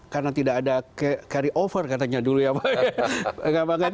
karena tidak ada carry over katanya dulu ya pak